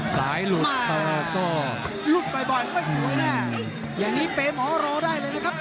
สายหลุดโตระโตยุดไปบ่านไม่สวยเนี่ยอย่างนี้เปเมียวรอได้เลยนะครับ